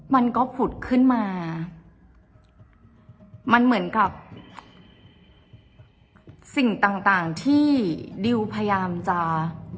มันก็ผุดขึ้นมามันเหมือนกับสิ่งต่างต่างที่ดิวพยายามจะ